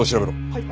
はい！